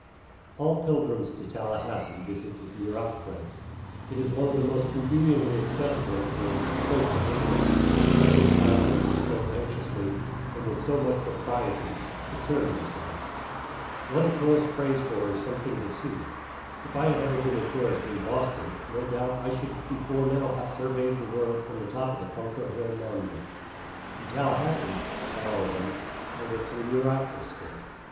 All pilgrims to Tallahassee visit the Murat place. It is one of the most conveniently accessible of those "points of interest" with which guide books so anxiously, and with so much propriety, concern themselves. What a tourist prays for is something to see. If I had ever been a tourist in Boston, no doubt I should before now have surveyed the world from the top of the Bunker Hill monument. In Tallahassee, at all events, I went to the Murat estate.